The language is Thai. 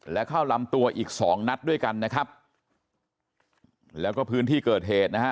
และเข้าลำตัวอีกสองนัดด้วยกันนะครับแล้วก็พื้นที่เกิดเหตุนะฮะ